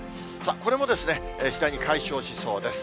これも次第に解消しそうです。